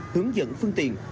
hướng dẫn phương tiện